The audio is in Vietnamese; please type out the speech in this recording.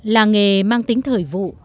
làng nghề mang tính thời vụ